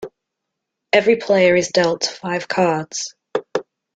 Every player is dealt five cards.